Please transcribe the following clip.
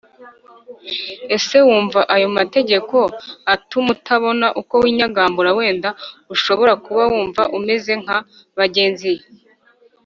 Ese wumva ayo mategeko atuma utabona uko winyagambura Wenda ushobora kuba wumva umeze nka bagenzi